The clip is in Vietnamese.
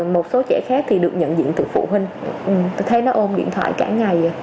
một số trẻ khác thì được nhận diện từ phụ huynh tôi thấy nó ôm điện thoại cả ngày